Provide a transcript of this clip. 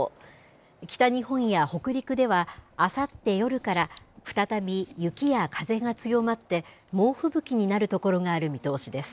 北日本や北陸では、あさって夜から再び雪や風が強まって、猛吹雪になる所がある見通しです。